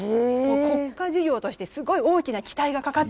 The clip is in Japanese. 国家事業としてすごい大きな期待がかかっている。